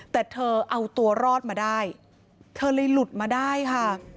แต่เธอเอาตัวรอดมาได้เธอเลยหลุดมาได้ค่ะ